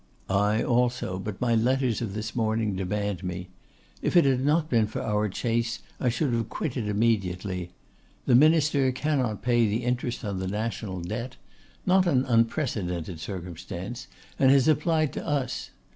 'I also; but my letters of this morning demand me. If it had not been for our chase, I should have quitted immediately. The minister cannot pay the interest on the national debt; not an unprecedented circumstance, and has applied to us.